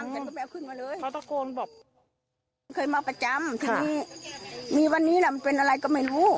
เขาตะโกนบอกเคยมาประจำค่ะมีวันนี้น่ะมันเป็นอะไรก็ไม่รู้